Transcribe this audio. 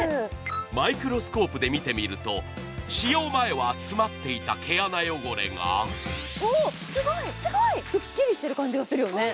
マイクロスコープで見てみると使用前は詰まっていた毛穴汚れがすっきりしてる感じがするよね。